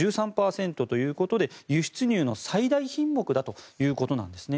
１３％ということで輸出入の最大品目だということなんです。